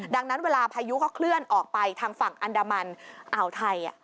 ดังนั้นเวลาพายุเขาเคลื่อนออกไปทางฝั่งอันดามันอ่าวไทย